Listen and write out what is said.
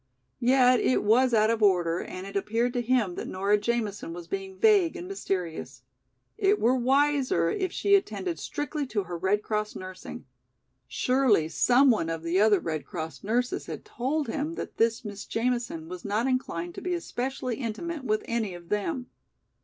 Yet it was out of order and it appeared to him that Nora Jamison was being vague and mysterious. It were wiser if she attended strictly to her Red Cross nursing. Surely some one of the other Red Cross nurses had told him that this Miss Jamison was not inclined to be especially intimate with any of them.